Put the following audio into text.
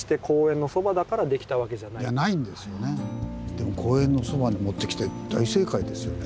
でも公園のそばに持ってきて大正解ですよね。